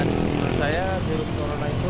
dan menurut saya virus corona itu